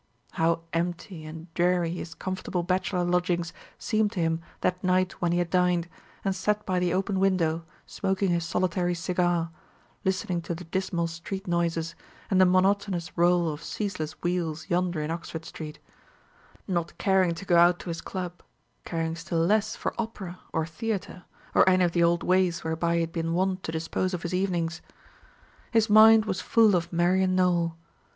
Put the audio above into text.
How empty and dreary his comfortable bachelor lodgings seemed to him that night when he had dined, and sat by the open window smoking his solitary cigar, listening to the dismal street noises, and the monotonous roll of ceaseless wheels yonder in Oxford street; not caring to go out to his club, caring still less for opera or theatre, or any of the old ways whereby he had been wont to dispose of his evenings! His mind was full of Marian Nowell.